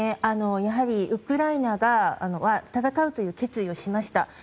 やはりウクライナは戦うという決意をしました。